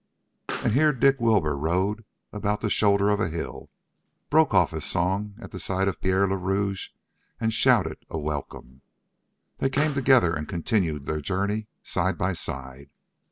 And here Dick Wilbur rode about the shoulder of a hill, broke off his song at the sight of Pierre le Rouge, and shouted a welcome. They came together and continued their journey side by side.